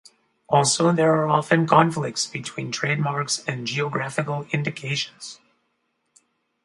Also, there are often conflicts between trademarks and geographical indications.